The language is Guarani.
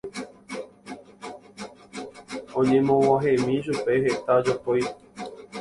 oñemog̃uahẽmi chupe heta jopói